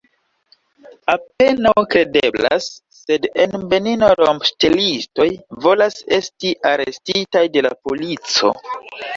Apenaŭ kredeblas, sed en Benino rompŝtelistoj volas esti arestitaj de la polico.